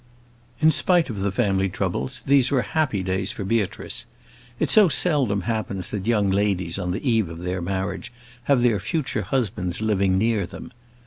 In spite of the family troubles, these were happy days for Beatrice. It so seldom happens that young ladies on the eve of their marriage have their future husbands living near them.